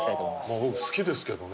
僕好きですけどね